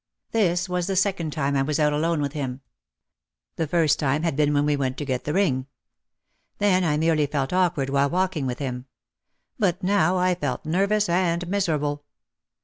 This was the second time I was out alone with him. The first time had been when we went to get the ring. Then, I merely felt awkward while walking with him. But now I felt nervous and miserable.